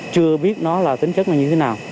chưa biết nó là tính chất như thế nào